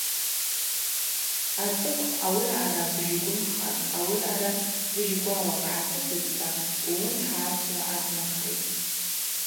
Ацӏыкв ауи аъара быжьгвымхакӏ, ауи аъара быжьгвауакӏ гӏатыцӏитӏта – улымхӏа ацӏгӏва ацӏнахитӏ.